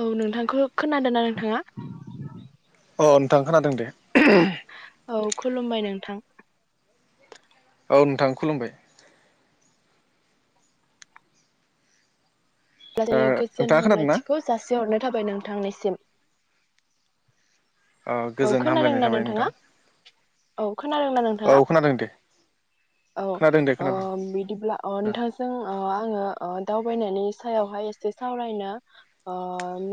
औ नोंथांखौ खोनादोंना नोंथाङा? अ नोंथां खोनादों दे। औ खुलुमबाय नोंथां। औ नोंथां खुलुमबाय। ओ [unintelligible] गोजोन नोंथाङा खोनादों ना हामलायथिखौ जासिहरनाय थाबाय नोंथांनिसिम। ओ औ गोजोन हामलायनाय खोनादोंना थाबाय नोंथां नोंथाङा? औ खोनादोंना औ नोंथाङा? खोनादों दे औ खोनादों दे ओ खोनादों बिदिब्ला अ नोंथांजों ओ आङो दाउ बायनायनि सायावहाय एसे सावरायनो ओ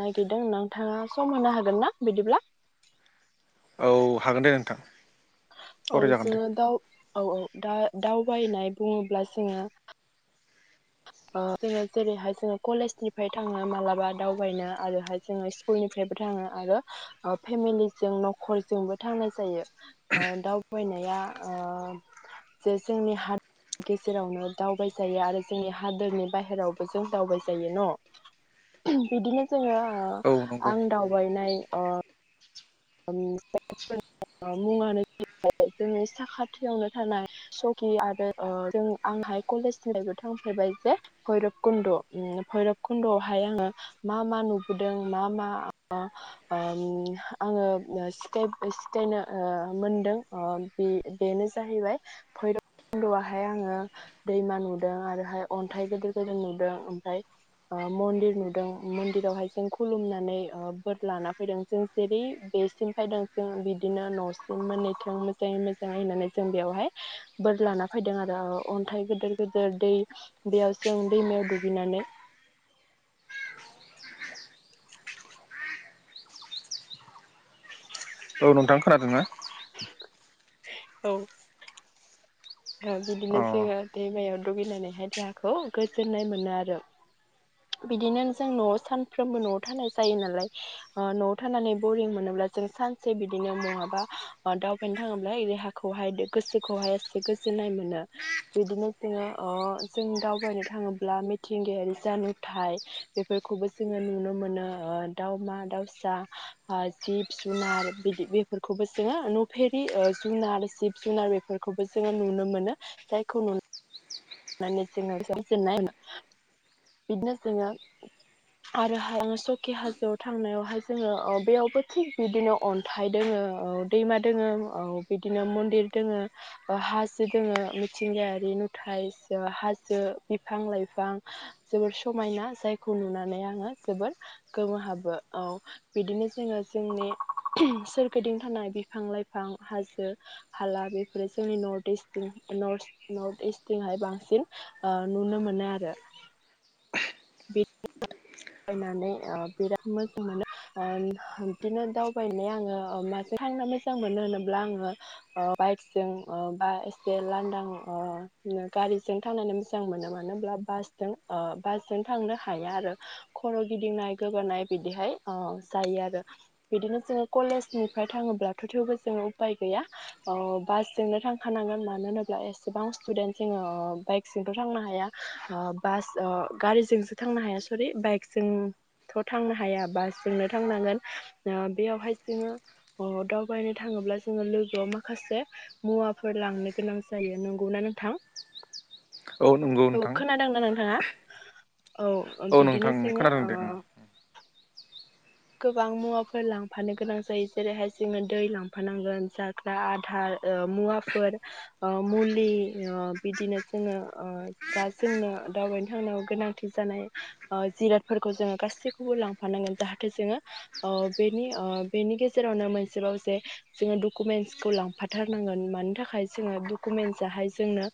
नागिरदों नोंथाङा सम होनो हागोन ना बिदिब्ला? औ हागोन दे नोंथां। औ सावरायजागोन दे जोङो दाव औ औ दा दावबायनाय बुङोब्ला जोंहा ओ जोङो जेरैहाय जोङो कलेजनिफ्राय थाङो मालाबा दावबायनो आरोहाय जोङो स्कुलनिफ्रायबो थाङो आरो फेमिलिजों नख'रजोंबो थांनाय जायो। ओ दाव बायनाया ओ जे जोंनि हादरनि गेजेरावनो दावबाय जायो आरो जोंनि हा दोरनि बाहेरावबो जों दावबाय जायो न। बिदिनो जोङो ओ औ नंगौ आं दावबायनाय ओ [unintelligible] मुङानो जाहैबाय जोंनि साखाथियावनो थानाय सकि आरो ओ जों आंहाय कलेजनि लायफयाव थांफेरबाय जे भैरब कुन्द‌ ओम भैरब कुन्दआवहाय आङो मा मा नुबोदों मा मा ओ ओम आङो सिखा-सिखायनो ओ मोनदों ओ बे-बेनो जाहैबाय भैरबखुन्दहाय आङो दैमा नुदों आरोहाय अन्थाइ गोदिर गोदिर नुदों ओमफ्राय ओ मन्दिर नुदों मन्दिरावहाय जों खुलुमनानै ओ बोर लाना फैदों जों जेरै बेसिम फैदों जों बिदिनो न'सिम मोनहैथों मोजाङै मोजाङै होननानै जों बेयावहाय बोर लाना फैदों आरो ओ अन्थाइ गोदिर गोदिर, दै बेयाव जों दैमायाव दुगैनानै [inaudible] औ नोंथां खोनादोंना? औ ओ अ बिदिनो जोङो दैमायाव दुगैनानैहाय देहाखौ गोजोननाय मोनो आरो। बिदिनो जों न'आव सानफ्रोमबो न'आव थानाय जायो नालाय ओ न'आव थानानै बरिं मोनोब्ला जों सानसे बिदिनो महाबा ओ दावबायनो थाङोब्ला देहाखौहाय गोसोखौहाय गोजोननाय मोनो बिदिनो जोङो ओ जों दावबायनो थाङोब्ला मिथिंगायारि जा नुथाय बेफोरखौबो जोङो नुनो मोनो। ओ दाउमा दाउसा ओ जिब जुनार बिदि बेफोरखौबो जोङो नफेरि ओ जुनार जिब जुनार बेफोरखौबो जोङो जोंङो नुनो मोनो जायखौ नुनो माने [unintelligible] जोङो गोजोननाय बिदिनो जोङो आरोहाय आं सकि हाजोआव थांनायावहाय जोङो बेयावबो थिग बिदिनो अन्थाइ दोङो औ दैमा दोङो औ बिदिनो मन्दिर दोङो हाजो दोङो मिथिंगायारि नुथाय हाजो बिफां लाइफां जोबोर समायना जायखौ नुनानै आङो जोबोर गोमोहाबो। औ बिदिनो जोङो जोंनि सोरगिदिं थानाय बिफां लाइफां हाजो हाला बेफोरो जोंनि नर्थ इस्ट नर्थ इस्टथिंहाय बांसिन बांसिन ओ नुनो मोनो आरो। बिदि [unintelligible] नायनै ओ बिराद मोजां मोनो। ओ बिदिनो दावबायनाय आङो माजों थांनो मोजां मोनो होनोब्ला आङो ओ बाइकजों ओ बा एसे लांदां गारिजों थांनानै मोजां मोनो मानो होनबोला बासजों-बासजों थांनो‌ हा या आरो खर' गिदिंनाय गोबानाय बिदिहाय ओ जायो आरो बिदिनो जोङो कलेजनिफ्राय थाङोब्लाथ' थेवबो जोङो उफाय गैया ओ बासजोंनो थांखानांगोन मानो होनोब्ला एसेबां स्टुडेन्ट जोङो ओ बाइक जोंथ' थांनो हाया गारिजों सो थांनो हाया सरि बाइक जोंथ' थांनो हाया बासजोंनो थांनांगोन। ओ बेयावहाय जोङो ओ दावबायनो थाङोब्ला जोङो लोगोआव माखासे मुवाफोर लांनो गोनां जायो नंगौना नोंथां? औ नंगौ औ नोंथां खोनादोंना नोंथाङा? औ बिदिनो नोंथां जोङो खोनादों दे ओ ओं। गोबां मुवाफोर लांफानो गोनां जायो जेरैहाय जोङो दै लांफानांगोन जाग्रा आदार ओ मुवाफोर ओ मुलि बिदिनो जोङो ओ जा जोंनो दावबायनो थांनायाव गोनांथि जानाय ओ जिरादफोरखौ जोङो गासैखौबो लांफानांगोन जाहाथे जोङो ओ बेनि ओ गेजेरावनो मोनसेबाव जे जोङो डकुमेन्टसखौ लांफाथारनांगोन मानि थाखाय जोङो डकुमेन्टसाहाय जोंनो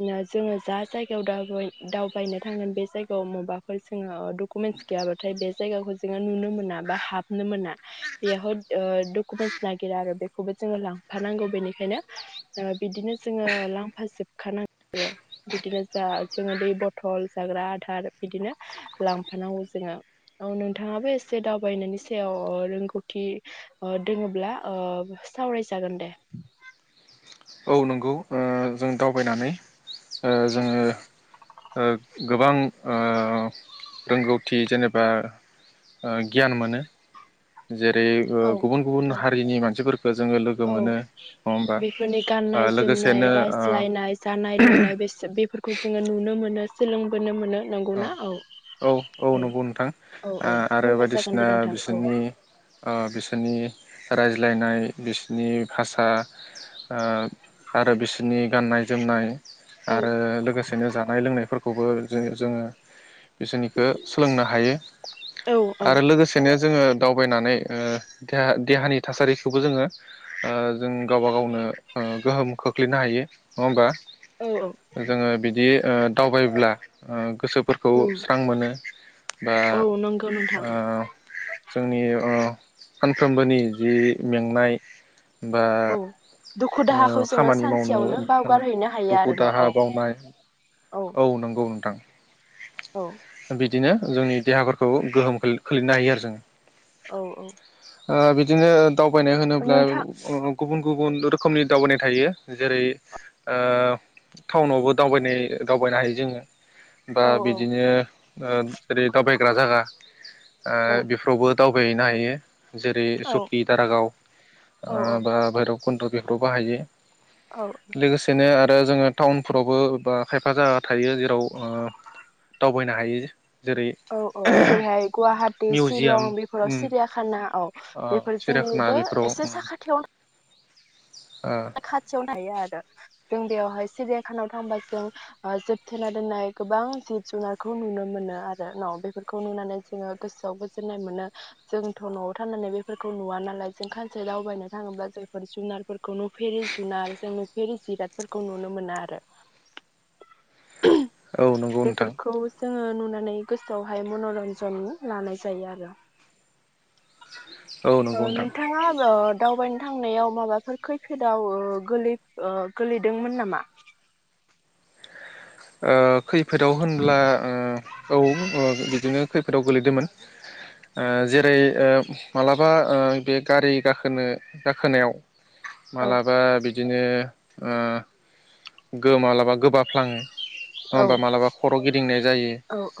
ओ जोङो जा जायगायाव दावबाय-दावबायनो थांगोन बे जायगायाव माबाफोर जोङो डकुमेन्टस गैयाबाथाय बे जायगाखौ जोङो नुनो मोनाय मोना बा हाबनो मोना बेयावाय डकुमेन्ट नागिरा आरो बेखौबो जोङो लांफानांगौ बेनिखायनो ओ बिदिनो जोङो लांफाजोबखानांगौ आरो बिदिनो जा जोङो दै बथल जाग्रा आदार बिदिनो लांफानांगौ जोङो औ नोंथाङाबो एसे दावबायनायनि सायाव रोंगौथि दङोब्ला ओ सावरायजागोन दे? औ नंगौ जों दावबायनानै जोङो गोबां रोंगौथि जेनेबा गियान मोनो। जेरै औ गुबुन गुबुन औ हारिनि मानसिफोरखौ जोङो लोगो। लोगो औ मोनो नङा होमबा। बेफोरनि ओ गाननाय जोमनाय लोगोसेनो ओ रायज्लायनाय जानाय लोंनाय बेस बेफोर। खौ जोङो नुनो मोनो सोलोंबोनो मोनो ओ नंगौनाा औ। औ नोंथां औ औ आरो फोरमायजागोन दे बायदिसिना नोंथां औ बिसोरन- बिसोरनि। रायज्लायनाय बिसनि भाषा आरो बिसोरनि गाननाय जोमनाय। औ आरो लोगोसेनो जानाय लोंनायफोरखौ। खौबो ज जोङो बिसोरनिखौ। सोलोंनो हायो। औ आरो लोगोसेनो। जोङो दावबायनानै देहा देहानि थासारिखौबो जोङो। जों गावबा गावनो गोहोम खोख्लैयो। खोलैनो हायो नङा होमबा। औ औ जोङो बिदि। दावबायब्ला। गोसोफोरखौ उम स्रां मोनो। बा। औ नंगौ नोंथां जोंनि ओ सानफ्रोमबोनि जि मेंनाय। बा औ दुखु ओ दाहाखौ जोङो खामानि मावनो सानसेयावनो बावगारहैनो हायो दुखु आरो न' दाहा औ बावनाय औ नंगौ नोंथां। औ। बिदिनो जोंनि देहाफोरखौ गोहोम खोलैनो हायो आरो जोङो। औ औ। ओ बिदिनो। दावबायनाय होनोब्ला नोंथां गुबुन गुबुन। रोखोमनि दावबायनाय थायो जेरै‌ ओ टाउनावबो दावबायनाय दावबायनो हायो जोङो। बा औ बिदिनो। ओ। जेरै दावबायग्रा जायगा औ बेफ्रावबो। दावबायहैनो हायो। जेरै औ सुकि दारागाव ओ बा भैरब। गुन्द्र बेफ्राव बाहायो। औ लोगोसेनो आरो। आरो जोङो टाउनफोरावबो बा खायफा जायगा थायो ओ जेराव दावबायनो हायो। जेरै औ औ जेरैहाय गुवाहाटि मिउजियाम शिलं बेफोराव उम सिरियाखाना औ ओ बेफोर सिरियाखाना जोंनिबो बेफोराव एसे उम साखाथियावनो ओ खाथियावनो थायो आरो। ओ जों बेयावहाय सिबियाखानाव थांबा जों जोबथेना दोननाय गोबां जिब जुनारखौ नुनो मोनो आरो न बेफोरखौ नुनानै जोङो गोसोआव गोजोननाय मोनो जोंथ न'आव थनानै बेफोरखौ नुवा नालाय जों खानसे दावबायनो थाङोब्ला जों बेफोर जुनारफोर खौ नुफेरि जुनार जों नुफेरि जिरादफोरखौ नुनो मोना आरो। औ नंगौ नोंथां। बेफोरखौ जोङो नुनानै गोसोआवहाय मनरन्जन लानाय जायो आरो। औ ओ नंगौ नोंथां नोंथाङा ओ दावबायनो थांनायाव माबाफोर खैफोदाव ओ गोलै ओ गोलैदोंमोन नामा? ओ खैफोदाव होनब्ला ओ औ ओं बिदिनो खैफोदाव गोलैदोंमोन ओ जेरै ओ मालाबा ओ बे गारि गाखोनो गाखोनायाव औ मालाबा बि बिदिनो ओ गो मालाबा गोबाफ्लाङो नङा औ होमबा मालाबा खर' गिदिंनाय जायो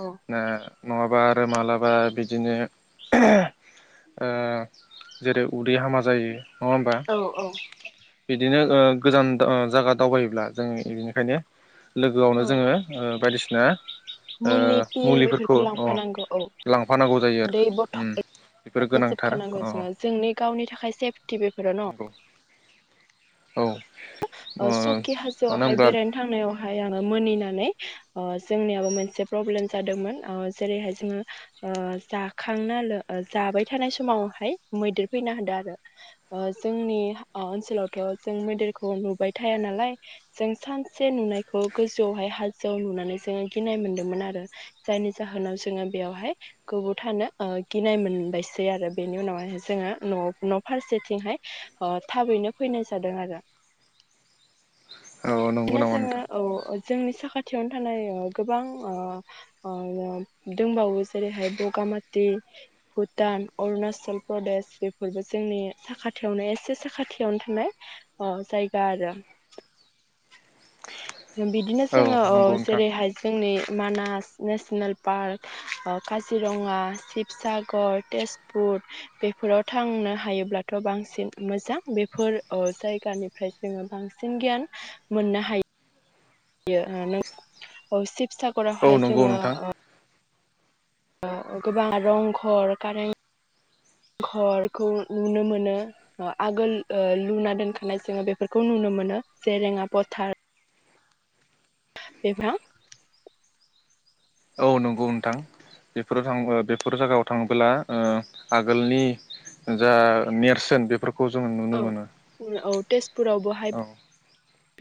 औ नङाबा आरो मालाबा बिदिनो ओ जेरै उदै हामा जायो। नङा ओम्बा? औ औ बिदिनो ओ गोजान दा आ जागा दावबायोब्ला जों इनिखायनो लोगोआवनो औ जोङो ओ बायदिसिना ओ मुलि पिल मुलिफोरखौ बेफोरखौ अ लांफानांगौ औ लांफानांगौ जायो दै आरो बथल उम बेफोरो गोनांथार जोबखानांगौ अ जोङो जोंनि गावनि थाखाय सेफटि बेफोरो न' नंगौ औ ओ मानो सकि हाजो ज'हाय होनब्ला बेरायनो थांनायावहाय ओमफाय आंङो मोनिनानै ओ जोंनिआवबो मोनसे पब्लेम जादोंमोन ओ जेरैहाय जोंङो ओ जाखांनानै ओ जाबाय थानाय समावहाय मैदेर फैनाय होदो आरो ओ जोंनि ओनसोलावथ' जों मैदेरखौ नुबा नुबाय थाया नालाय जों सानसे नुनायखौ गोजौआवहाय हाजोआव नुनानै जोङो गिनाय मोनदोंमोन आरो जायनि जाहोनाव जोङो बेयावहाय गोबाव थानो ओ गिनाय मोनबायसै आरो बेनि उनावहाय जोङो न' न' फारसेथिंहाय थाबैनो फैनाय जादों आरो। औ नंगौ नो नामा जोङो नोंथां? औ जोंनि साखाथियावनो थानाय ओ गोबां ओ ओ दंबावो जेरैहाय ब'गामाथि, भुटान, अरुणाचल प्रदेश बेफोरबो जोंनि साखाथियावनो एसे साखाथियावनो थानाय ओ जायगा आरो। बिदिनो औ जोङो ओ नंगौ नोंथां जेरैहाय जोंनि मानास नेसनेल पार्क, ओ काजिरङा, शिबसागर, तेजपुर बेफोराव थांनो हायोब्लाथ' बांसिन मोजां बेफोर ओ जायगानिफ्राय जोङो बांसिन गियान मोननो हा यो ओ नों अ सिब औ सागगरावहाय नंगौ जोङो नोंथां ओ ओ गोबां रंघर कारेंघरखौ नुनो मोनो, ओ आगोल ओ लुना दोनखानाय जोङो बेफोरखौ नुनो मोनो जेरेङा फथार बेफां औ नंगौ नोंथां बेफोराव थाङ ओ बेफोर जायगायाव थाङोब्ला ओ आगोलनि जा नेरसोन बेफोरख औ औ तेजपुराव बहाय औ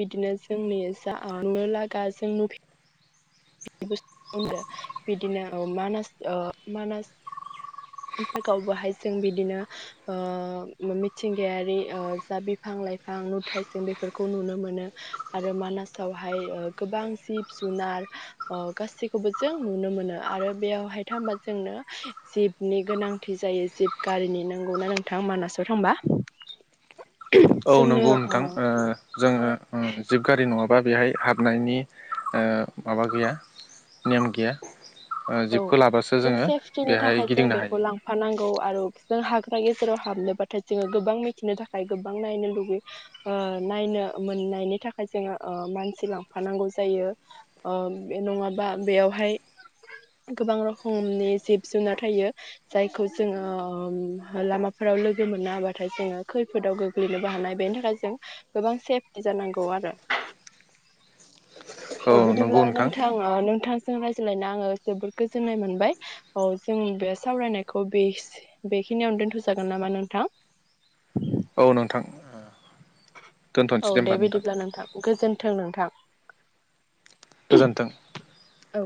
बिदिनो जोंनि जाओनो लागा जों नुफि [unintelligible] बिदिनो मानास ओ मानास पार्कआवबोहाय जों बिदिनो ओ मिथिंगायारि ओ जा बिफां लाइफां नुथायजों बेफोरखौ नुनो मोनो आरो मानासावहाय ओ गोबां जिब जुनार अ गासैखौबो जों नुनो मोनो आरो बेयावहाय थांबा जोंनो जिबनि गोनांथि जायो जिब गारिनि नंगौना नोंथां मानासाव थांबा? औ जोंनो नंगौ नोंथां अ ओ जोङो उम जिब गारि नङाबा बेहाय हाबनायनि ओ माबा गैया नेम गैया। ओ औ जिबखौ लाबासो जों जोङो बेहाय गिदिंनो हायो। गौ आरो जों हाग्रा गेजेराव हाबनोबाथाय जोङो गोबां मिथिनो थाखाय गोबां नायनो लुबैयो ओ नायनो मोननायनि थाखाय जोङो ओ मानसि लांफानांगौ जायो ओ बे नङाबा बेयावहाय गोबां रोखोमनि जिब जुनार थायो जायखौ जोङो लामाफोराव लोगो मोननो हाबाथाय जोङो खैफोदाव गोग्लैनोबो हानाय बेनि थाखाय जों गोबां सेफटि जानांगौ आरो औ बिदिब्ला नोंथां नोंथांजों रायज्लायना आङो जोबोर गोजोननाय मोनबाय औ जों बे सावरायनायखौ बेसि बेखिनियावनो दोनथ जागोन नामा नोंथां? औ नोंथां औ दे बिदिब्ला नोंथां गोजोन थों नोंथां। गोजोन्थों। औ